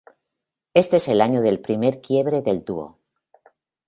Este es el año del primer quiebre del dúo.